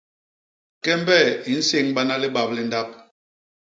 Kembe i nséñbana libap li ndap.